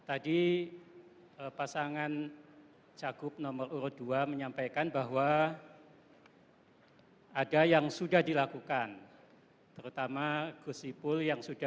administrasi kepegawaian bisa diselamatkan